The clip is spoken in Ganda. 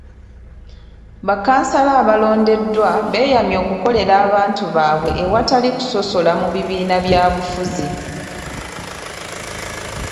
Bakkansala abaalondeddwa beeyamye okukolera abantu baabwe awatali kusosola mu bibiina byabufuzi.